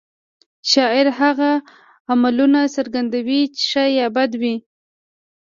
شاعر هغه عملونه څرګندوي چې ښه یا بد وي